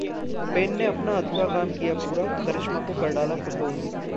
उपेन ने अपना अधूरा काम किया पूरा, करिश्मा को कर डाला प्रपोज